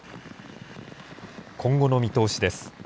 今後の見通しです。